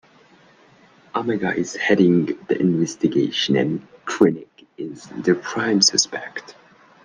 Omega is heading the investigation and Krennick is the prime suspect.